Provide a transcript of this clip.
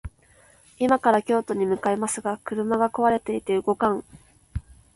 今から京都に向かいますが、車が壊れていて動かん